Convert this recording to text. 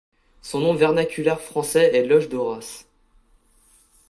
Son nom vernaculaire français est Loche d'Horas.